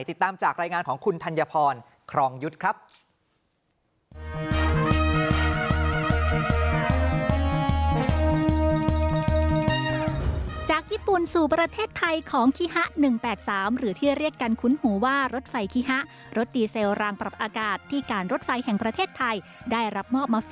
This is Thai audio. ติดตามจากรายงานของคุณธัญพรครองยุทธ์ครับ